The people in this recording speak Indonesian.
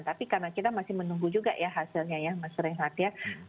tapi karena kita masih menunggu juga ya hasilnya ya mas rehat ya